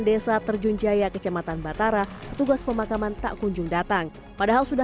desa terjun jaya kecamatan batara petugas pemakaman tak kunjung datang padahal sudah